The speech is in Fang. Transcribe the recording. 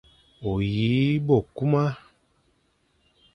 O yi bo kuma,